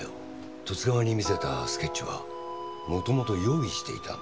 十津川に見せたスケッチは元々用意していたんだ。